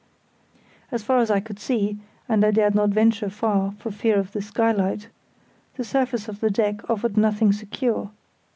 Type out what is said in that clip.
As far as I could see—and I dared not venture far for fear of the skylight—the surface of the deck offered nothing secure.